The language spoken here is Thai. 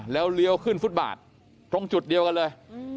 แล้วเลี้ยวขึ้นฟุตบาทตรงจุดเดียวกันเลย